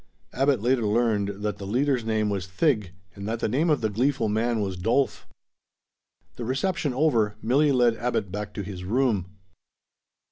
Abbot later learned that the leader's name was Thig, and that the name of the gleeful man was Dolf. The reception over, Milli led Abbot back to his room.